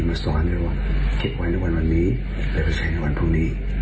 มาซ้อนให้เราเก็บไว้ในวันวันนี้และไปใช้ในวันพรุ่งนี้